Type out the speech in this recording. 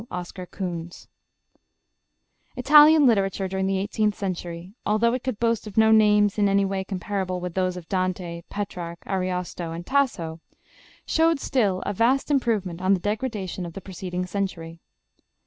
OSCAR KUHNS Italian literature during the eighteenth century, although it could boast of no names in any way comparable with those of Dante, Petrarch, Ariosto, and Tasso, showed still a vast improvement on the degradation of the preceding century.